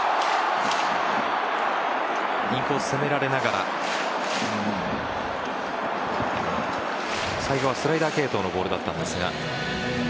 インコース、攻められながら最後はスライダー系統のボールだったんですが。